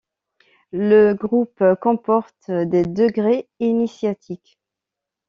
Le groupe comporte des degrés initiatiques.